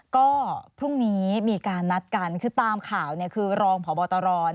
ก็พรุ่งนี้มีการนัดกันคือตามข่าวเนี่ยคือรองพบตร